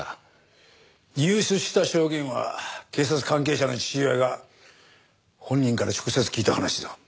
入手した証言は警察関係者の父親が本人から直接聞いた話だ。